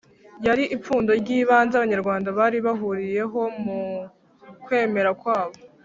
yari ipfundo ry'ibanze Abanyarwanda bari bahuriyeho mu kwemera kwabo